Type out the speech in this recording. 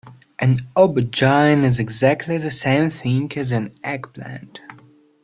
An aubergine is exactly the same thing as an eggplant